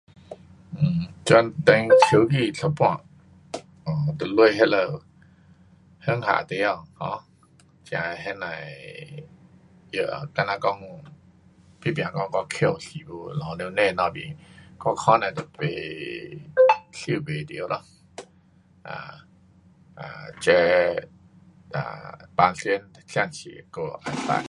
这等手机一半，就下去乡下地方。跟那些 um 就像说。。。比如说我老母亲就不收不